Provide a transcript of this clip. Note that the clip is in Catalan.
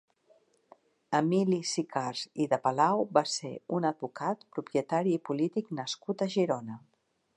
Emili Sicars i de Palau va ser un advocat, propietari i polític nascut a Girona.